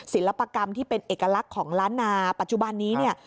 ศิลปกรรมที่เป็นเอกลักษณ์ของล้านนาปัจจุบันนี้เนี่ย